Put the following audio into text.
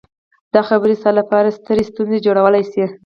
دا خبرې ستا لپاره سترې ستونزې جوړولی شي